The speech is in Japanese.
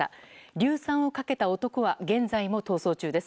硫酸をかけた男は現在も逃走中です。